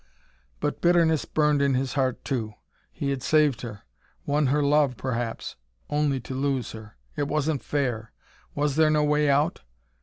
But bitterness burned in his heart, too. He had saved her won her love, perhaps only to lose her. It wasn't fair! Was there no way out?